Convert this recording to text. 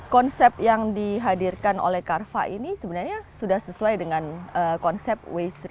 konsep yang dihadirkan oleh carva ini sebenarnya sudah sesuai dengan konsep waste